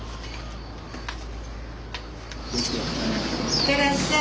いってらっしゃい。